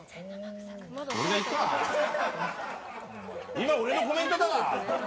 今の俺のコメントだわ。